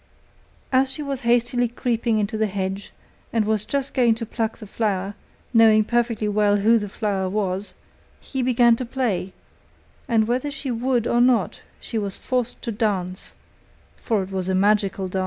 As she was hastily creeping into the hedge and was just going to pluck the flower, knowing perfectly well who the flower was, he began to play, and whether she would or not, she was forced to dance, for it was a magical dance.